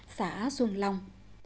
xã xuân long